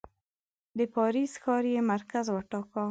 د پاریس ښار یې مرکز وټاکه.